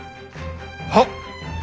はっ！